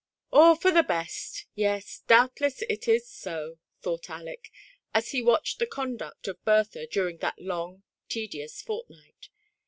LL for the best !— yes, doubtless it is so," thought Aleck, as he watched the conduct of Bertha during that long, tedious fortnight.